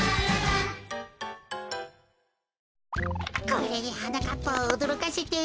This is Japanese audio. これではなかっぱをおどろかせて。